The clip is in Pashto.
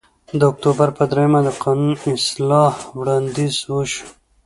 د اکتوبر په درېیمه د قانون اصلاح وړاندیز وشو